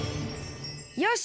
よし！